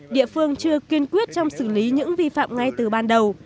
địa phương chưa kiên quyết trong xử lý những vi phạm ngay từ ban đầu